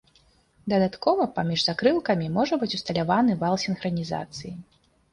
Дадаткова паміж закрылкамі можа быць усталяваны вал сінхранізацыі.